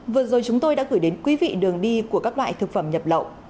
vừa rồi chúng tôi đã gửi đến quý vị đường đi của các loại thực phẩm nhập lậu